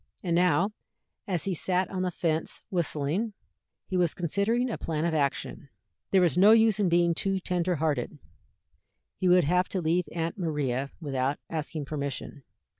And now, as he sat on the fence whistling, he was considering a plan of action. There was no use in being too tender hearted. He would have to leave Aunt Maria without asking permission.